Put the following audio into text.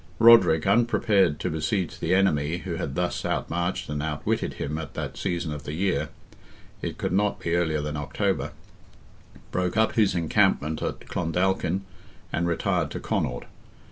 Roderick, unprepared to besiege the enemy who had thus outmarched and outwitted him at that season of the year—it could not be earlier than October—broke up his encampment at Clondalkin, and retired to Connaught.